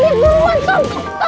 di luar tom